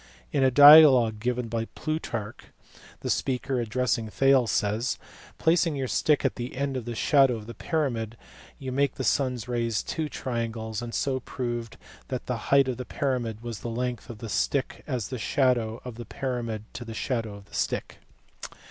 In a dialogue given by Plutarch, the speaker addressing Thales says " placing your stick at the end of the shadow of the pyramid, you made by the sun s rays two triangles, and so proved that the [height of the] pyramid was to the [length of the] stick as the shadow of the pyramid to the shadow of the stick."